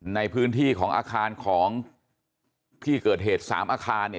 ในพื้นที่ของอาคารของที่เกิดเหตุ๓อาคารเนี่ย